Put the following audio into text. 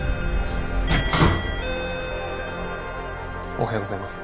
おはようございます。